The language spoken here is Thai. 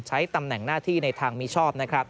ใช้ตำแหน่งหน้าที่ในทางมิชอบนะครับ